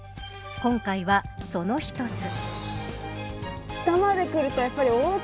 今回はその一つ。